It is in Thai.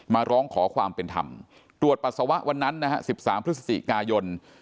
มาร้องขอความเป็นธรรมตรวจปัสสาวะวันนั้นนะฮะ๑๓พฤศจิกายน